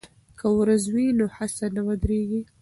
که ورځ وي نو هڅه نه ودریږي.